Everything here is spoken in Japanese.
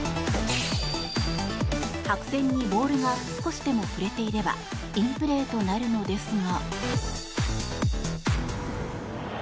白線にボールが少しでも触れていればインプレーとなるのですが。